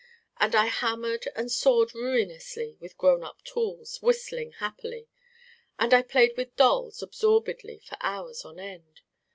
And I hammered and sawed ruinously with grownup tools, whistling happily. And I played with dolls absorbedly for hours on end.